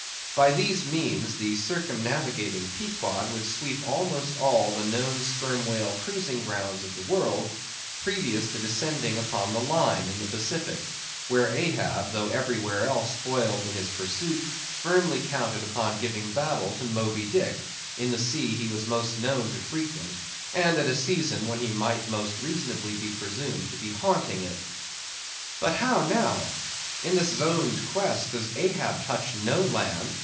By these means, the circumnavigating Pequod would sweep almost all the known Sperm Whale cruising grounds of the world, previous to descending upon the Line in the Pacific; where Ahab, though everywhere else foiled in his pursuit, firmly counted upon giving battle to Moby Dick, in the sea he was most known to frequent; and at a season when he might most reasonably be presumed to be haunting it. But how now? in this zoned quest, does Ahab touch no land?